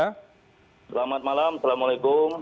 selamat malam assalamualaikum